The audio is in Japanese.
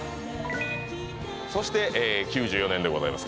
そして９４年でございます